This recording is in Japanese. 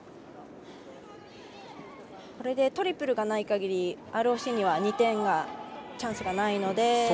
これでトリプルがない限りＲＯＣには２点のチャンスがないので。